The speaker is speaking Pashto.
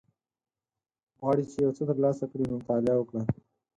غواړی چی یوڅه تر لاسه کړی نو مطالعه وکړه